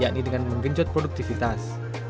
yakni dengan menggenjot produktivitas